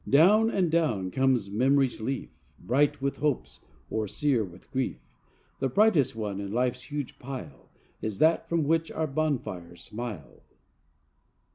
Down and down comes memory's leaf, Bright with hopes or sere with grief; The brightest one in life's huge pile Is that from which our bonfires smile.